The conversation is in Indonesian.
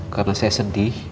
karena saya sedih